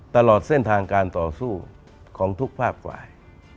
ตลอดเส้นทางการต่อสู้ของทุกภาคฝ่าย